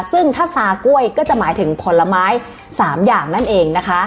ซึ่งถ้าซากล้วยก็จะหมายถึงผลไม้๓อย่างนั่นเองนะคะ